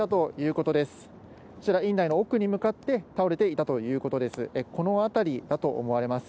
こちら、院内の奥に向かって倒れていたということです。